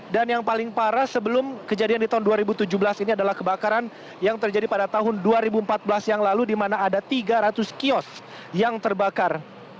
dan yang paling parah sebelum kejadian di tahun dua ribu tujuh belas ini adalah kebakaran yang terjadi pada tahun dua ribu empat belas yang lalu di mana ada tiga ratus kiosk yang terbakar